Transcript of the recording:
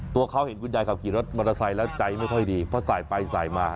ตัวเขาเห็นคุณยายขับขี่รถมอเตอร์ไซค์แล้วใจไม่ค่อยดีเพราะสายไปสายมา